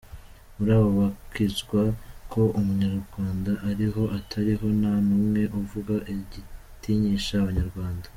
Muri abo bakwiza ko Umunyarwanda ariho atariho, nta n’umwe uvuga igitinyisha Abanyarwanda.